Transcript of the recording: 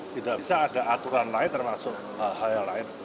tidak bisa ada aturan lain termasuk hal hal lain